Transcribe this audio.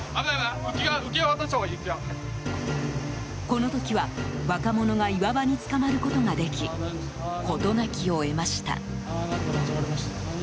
この時は、若者が岩場につかまることができ事なきを得ました。